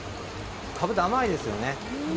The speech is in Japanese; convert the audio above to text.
かぶは甘いですよね。